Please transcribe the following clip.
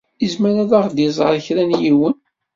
Yezmer ad aɣ-d-iẓer kra n yiwen.